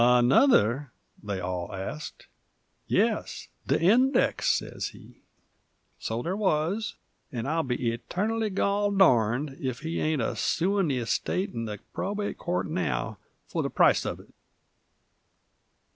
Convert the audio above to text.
"Another?" they all asked. "Yes, the index!" sez he. So there wuz, and I'll be eternally gol durned if he ain't a suin' the estate in the probate court now f'r the price uv it!